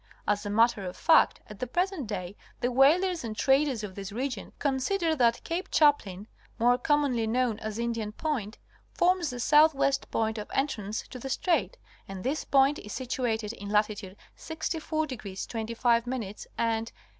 As a matter of fact, at the present day, the whalers and traders of this region consider that Cape Chaplin (more commonly known as Indian Point) forms the f southwest point of entrance to the strait; and this point is situated in latitude 64° 25' and E.